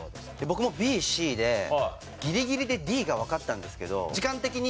僕もＢＣでギリギリでＤがわかったんですけど時間的に。